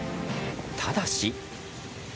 ただし。